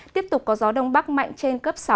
tiếp tục có gió đông bắc mạnh trên cấp sáu